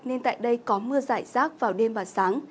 nên tại đây có mưa giải rác vào đêm và sáng